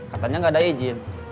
katanya gak ada izin